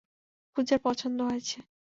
পূজার পছন্দ হয়েছে।